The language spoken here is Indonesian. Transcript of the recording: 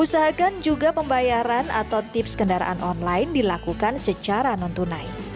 usahakan juga pembayaran atau tips kendaraan online dilakukan secara non tunai